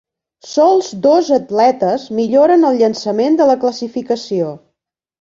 Sols dos atletes milloren el llançament de la classificació.